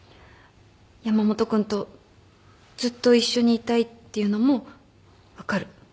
山本君とずっと一緒にいたいっていうのも分かる。